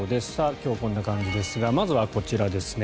今日、こんな感じですがまずはこちらですね。